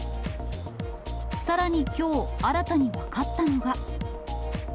さらにきょう、新たに分かったのは。